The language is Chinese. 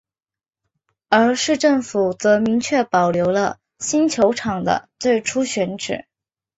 而市政府则明确保留了新球场的最初选址。